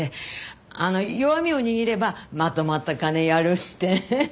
あの弱みを握ればまとまった金をやるって。